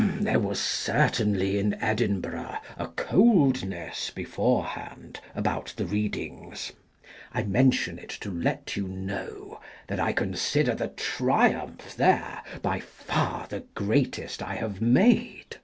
There was certainly in Edinburgh, a coldness before hand, about the Eeadings. I mention it, to let you know that I consider the triumph there, by far the greatest I have made.